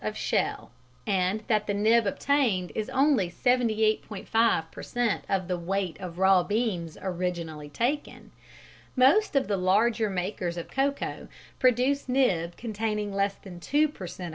of shell, and that the nib obtained is only 78.5 per cent. of the weight of raw beans originally taken. Most of the larger makers of cocoa produce nib containing less than two per cent.